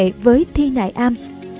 trước quan hệ với thi nại am